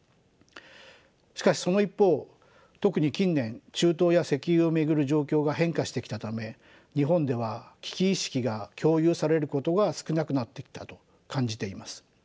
しかしその一方特に近年中東や石油を巡る状況が変化してきたため日本では危機意識が共有されることが少なくなってきたと感じています。